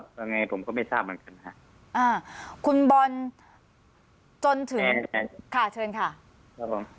ยังไงผมก็ไม่ทราบเหมือนกันฮะอ่าคุณบอลจนถึงค่ะเชิญค่ะครับผม